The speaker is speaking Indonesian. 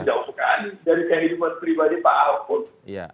jauh sekali dari kehidupan pribadi pak alput